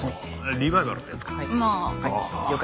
リバイバルってやつか？